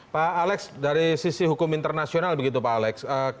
pak alex dari sisi hukum internasional begitu pak alex